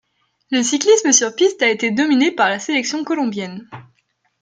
Le cyclisme sur piste a été dominé par la sélection colombienne.